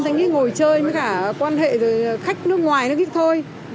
thanh niên ngồi chơi với cả quan hệ khách nước ngoài nó biết thôi